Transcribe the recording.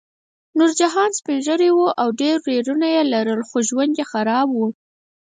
نورجان سپین ږیری و او ډېر ورېرونه یې لرل خو ژوند یې خراب و